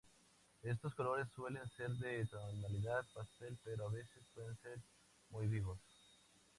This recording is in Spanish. Estos colores suelen ser de tonalidad pastel, pero a veces pueden ser muy vivos.